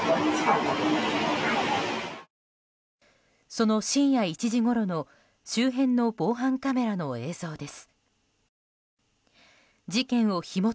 その深夜１時ごろの周辺の防犯カメラの映像です。